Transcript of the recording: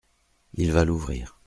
Il va l’ouvrir.